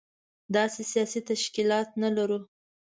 داسې سياسي تشکيلات نه لرو.